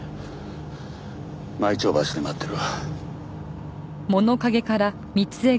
舞澄橋で待ってるわ。